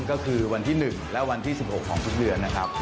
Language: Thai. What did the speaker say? ก็คือวันที่๑และวันที่๑๖ของทุกเดือนนะครับ